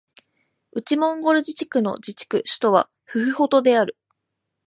内モンゴル自治区の自治区首府はフフホトである